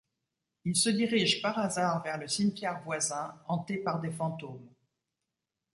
Il se dirige par hasard vers le cimetière voisin, hanté par des fantômes.